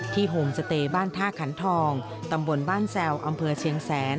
โฮมสเตย์บ้านท่าขันทองตำบลบ้านแซวอำเภอเชียงแสน